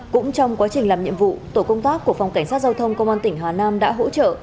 cũng trong quá trình làm nhiệm vụ tổ công tác của phòng cảnh sát giao thông công an tỉnh hà nam đã hỗ trợ